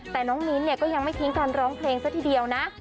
แต่น้องมิ้นเนี่ยก็ยังไม่ทิ้งการร้องเพลงซะทีเดียวนะ